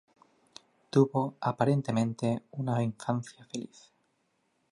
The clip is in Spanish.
Tuvo aparentemente una infancia feliz.